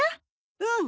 うん。